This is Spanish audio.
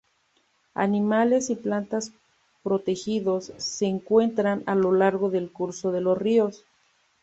Animales y plantas protegidos, se encuentran a lo largo del curso de los ríos.